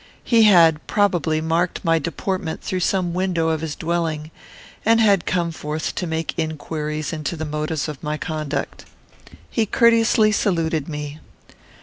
He had, probably, marked my deportment through some window of his dwelling, and had come forth to make inquiries into the motives of my conduct. He courteously saluted me.